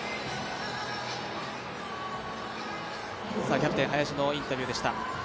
キャプテン・林のインタビューでした。